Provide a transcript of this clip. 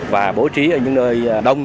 và bố trí ở những nơi đông